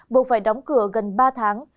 buộc phải đóng cửa gần ba tháng